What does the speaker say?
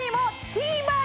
ＴＶｅｒ？